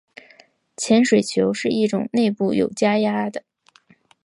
潜水球是一种内部有加压的。